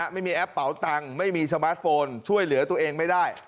แอปเป๋าตังค์ไม่มีสมาร์ทโฟนช่วยเหลือตัวเองไม่ได้